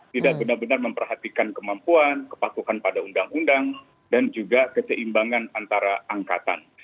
tidak benar benar memperhatikan kemampuan kepatuhan pada undang undang dan juga keseimbangan antara angkatan